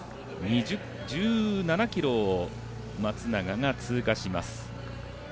１７ｋｍを松永が通過します。